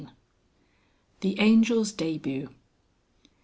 THE ANGEL'S DEBUT.